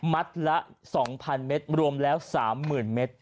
ละ๒๐๐เมตรรวมแล้ว๓๐๐๐เมตร